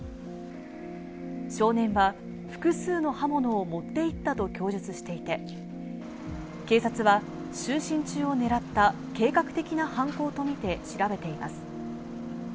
少年は複数の刃物を持っていったと供述していて、警察は、就寝中を狙った計画的な犯行と見て調べています。